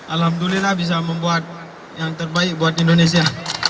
alhamdulillah bisa membuat yang terbaik buat indonesia